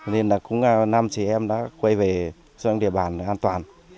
nên là cũng năm chị em đã quay về xuống địa bàn an toàn